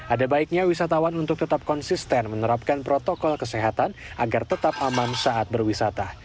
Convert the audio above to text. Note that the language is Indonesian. ada baiknya wisatawan untuk tetap konsisten menerapkan protokol kesehatan agar tetap aman saat berwisata